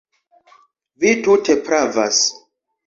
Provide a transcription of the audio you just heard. Vi tute pravas.